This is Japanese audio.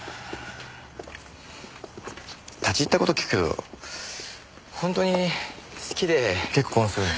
立ち入った事聞くけど本当に好きで結婚するの？